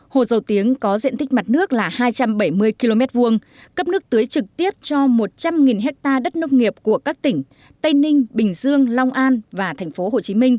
hồ dầu tiếng có diện tích mặt nước là hai trăm bảy mươi km hai cấp nước tưới trực tiếp cho một trăm linh hectare đất nông nghiệp của các tỉnh tây ninh bình dương long an và tp hcm